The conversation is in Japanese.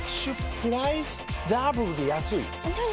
プライスダブルで安いＮｏ！